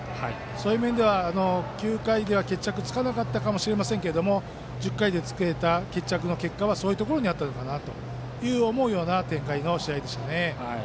そういう面では９回では決着つかなかったかもしれませんが１０回で決着をつけられたのはそういうところにあったのかなという展開の試合でしたね。